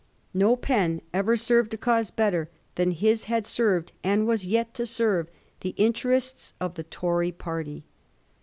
No pen ever served a cause better than his had served, and was yet to serve, the inter ests of the Tory party.